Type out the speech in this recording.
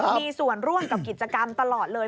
มีส่วนร่วมกับกิจกรรมตลอดเลย